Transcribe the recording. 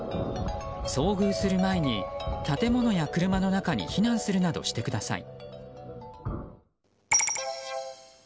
遭遇する前に建物や車の中に避難するなどしてください。